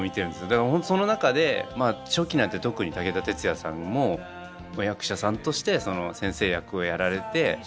だからその中で初期なんて特に武田鉄矢さんも役者さんとして先生役をやられてそのまま